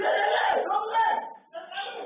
เอาไว้